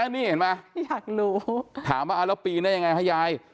นี่เห็นป่ะอยากรู้ถามว่าเราปีนได้ยังไงครับยาย